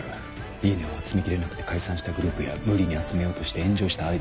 いいねを集めきれなくて解散したグループや無理に集めようとして炎上したアイドルもいる。